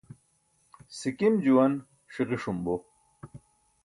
sikim juwan ṣiġiṣum bo